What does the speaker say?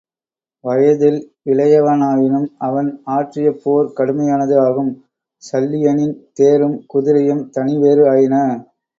வயதில் இளையவனாயினும் அவன் ஆற்றிய போர் கடுமையானது ஆகும் சல்லியனின் தேரும் குதிரையும் தனிவேறு ஆயின.